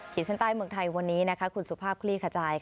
คียดเซ็นต้ายเมืองไทยคุณสุภาพคุณลี่ขัจจาย